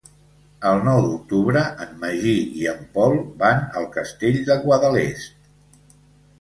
El nou d'octubre en Magí i en Pol van al Castell de Guadalest.